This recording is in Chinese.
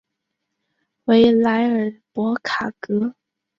维莱尔博卡格。